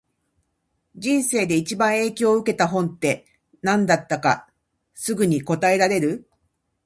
人生で一番影響を受けた本って、何だったかすぐに答えられる？